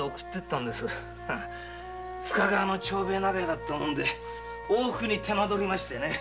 深川だったもんで往復に手間取りましてね。